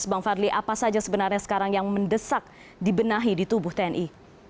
bang fadli apa saja sebenarnya sekarang yang mendesak dibenahi di tubuh tni